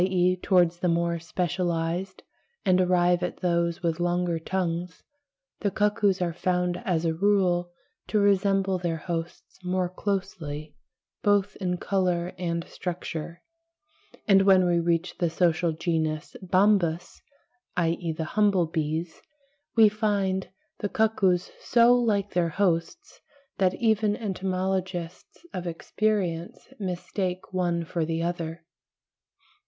e. towards the more specialized, and arrive at those with longer tongues, the cuckoos are found as a rule to resemble their hosts more closely, both in colour and structure, and when we reach the social genus Bombus (i.e. the humble bees) we find the cuckoos so like their hosts (pl. D, 30, 31) that even entomologists of experience mistake one for the other.